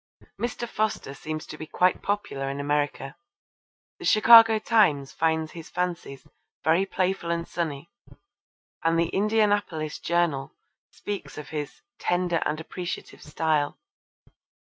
Mr. Foster seems to be quite popular in America. The Chicago Times finds his fancies 'very playful and sunny,' and the Indianapolis Journal speaks of his 'tender and appreciative style.'